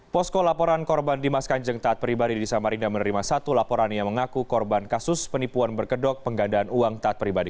posko laporan korban dimas kanjeng taat pribadi di samarinda menerima satu laporan yang mengaku korban kasus penipuan berkedok penggandaan uang taat pribadi